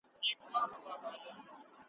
بیا به اورو له مطربه جهاني ستا غزلونه `